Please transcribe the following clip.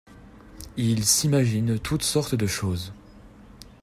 Il s’imagine toutes sortes de choses.